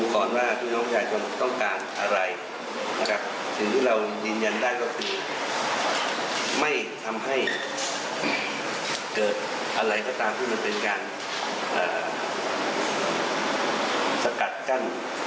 ความยืนยันได้ก็คือไม่ทำให้เกิดอะไรก็ตามที่มันเป็นการสกัดกั้น